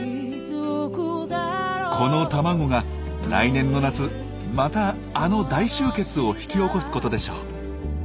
この卵が来年の夏またあの大集結を引き起こすことでしょう。